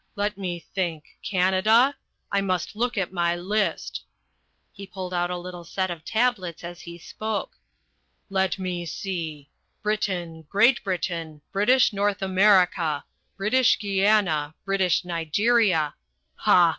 Let me think, Canada? I must look at my list" he pulled out a little set of tablets as he spoke "let me see, Britain, Great Britain, British North America, British Guiana, British Nigeria ha!